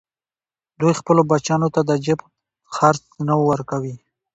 دوی خپلو بچیانو ته د جېب خرڅ نه ورکوي